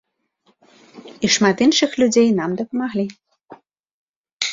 І шмат іншых людзей нам дапамаглі.